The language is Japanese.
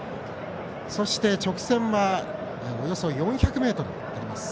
そして、直線はおよそ４００ｍあります。